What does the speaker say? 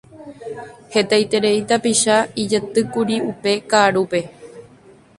Hetaiterei tapicha ijatýkuri upe kaʼarúpe.